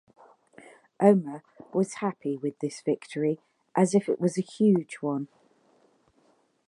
Omer was happy with this victory as if it was a huge one.